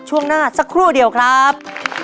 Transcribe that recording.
ช่วงหน้าสักครู่เดียวครับ